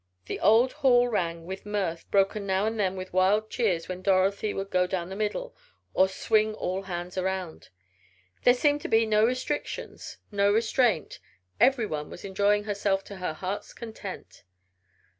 The old hall rang with mirth broken now and then with wild cheers when Dorothy would "go down the middle," or "swing all hands around." There seemed to be no restrictions, no restraint everyone was enjoying herself to her heart's content.